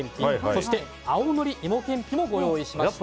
そして、青のり芋けんぴもご用意しました。